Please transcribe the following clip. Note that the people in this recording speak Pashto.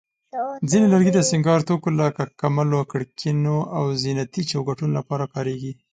ځینې لرګي د سینګار توکو لکه کملو، کړکینو، او زینتي چوکاټونو لپاره کارېږي.